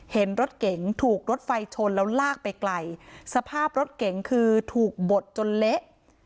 เห็นรถเก๋งถูกรถไฟชนแล้วลากไปไกลสภาพรถเก๋งคือถูกบดจนเละ